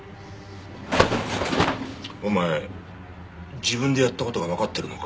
お前自分でやった事がわかってるのか？